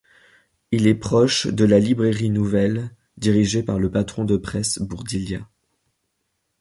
Il est proche de La Librairie nouvelle, dirigée par le patron de presse Bourdilliat.